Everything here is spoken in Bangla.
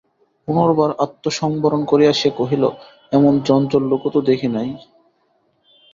পুনর্বার আত্মসংবরণ করিয়া সে কহিল, এমন চঞ্চল লোকও তো দেখি নাই।